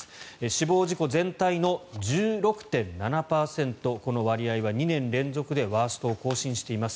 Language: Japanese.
死亡事故全体の１６．７％この割合は２年連続でワーストを更新しています。